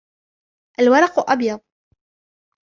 الورق أبيض.